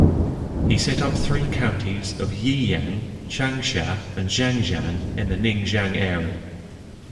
He set up three counties of Yiyang, Changsha and Xiangxiang in Ningxiang area.